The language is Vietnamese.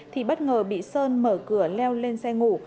thì bất ngờ bị sơn mở cửa leo lên xe ngủ